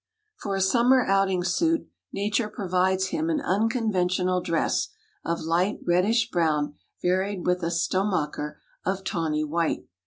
For a summer outing suit nature provides him an unconventional dress of light reddish brown varied with a stomacher of tawny white.